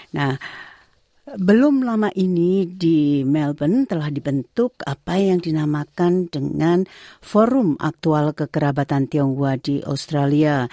nah belum lama ini di melbourne telah dibentuk apa yang dinamakan dengan forum aktual kekerabatan tionghoa di australia